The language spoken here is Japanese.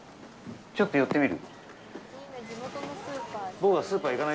ちょっと寄ってみる？